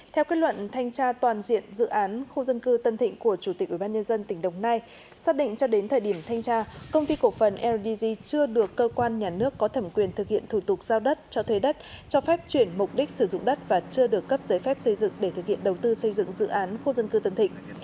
theo kết luận thanh tra toàn diện dự án khu dân cư tân thịnh của chủ tịch ubnd tỉnh đồng nai xác định cho đến thời điểm thanh tra công ty cổ phần ldg chưa được cơ quan nhà nước có thẩm quyền thực hiện thủ tục giao đất cho thuê đất cho phép chuyển mục đích sử dụng đất và chưa được cấp giấy phép xây dựng để thực hiện đầu tư xây dựng dự án khu dân cư tân thịnh